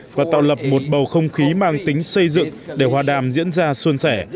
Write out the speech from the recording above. và tạo lập một bầu không khí mang tính xây dựng để hòa đàm diễn ra xuân sẻ